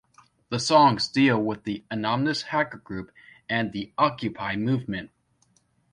The songs deal with the Anonymous hacker group and the Occupy movement.